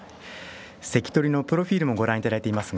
関取のプロフィールもご覧いただいています。